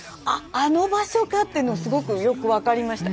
あの場所かっていうのがすごくよく分かりました。